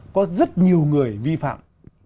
có rất nhiều người vi phạm